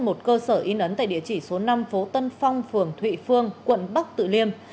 một cơ sở in ấn tại địa chỉ số năm phố tân phong phường thụy phương quận bắc tử liêm